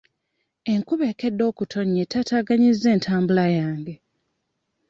Enkuba ekedde okutonnya etaataaganyizza entambula yange.